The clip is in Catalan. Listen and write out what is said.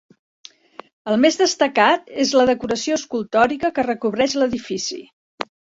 El més destacat és la decoració escultòrica que recobreix l'edifici.